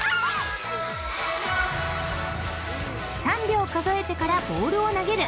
［３秒数えてからボールを投げる］